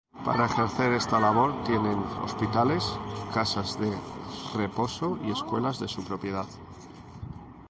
Para ejercer esta labor, tienen hospitales, casas de reposo y escuelas de su propiedad.